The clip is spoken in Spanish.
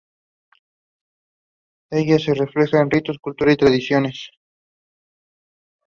En ella se reflejan ritos, cultura y tradiciones.